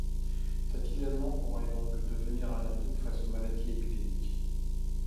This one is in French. Cet isolement pourrait donc devenir un atout face aux maladies épidémiques.